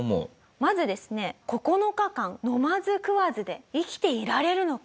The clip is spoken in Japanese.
まずですね９日間飲まず食わずで生きていられるのか？